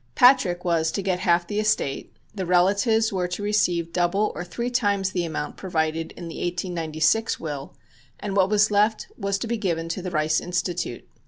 Patrick was to get half the estate, the relatives were to receive double or three times the amount provided in the 1896 will, and what was left was to be given to the Rice Institute.